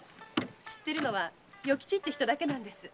知ってるのは与吉って人だけなんです。